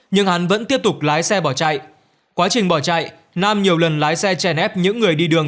nhưng hắn vẫn tiếp tục lái xe bỏ chạy quá trình bỏ chạy nam nhiều lần lái xe chèn ép những người đi đường